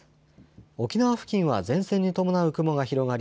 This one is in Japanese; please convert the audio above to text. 沖縄付近は前線に伴う雲が広がり